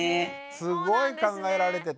すごい考えられてて。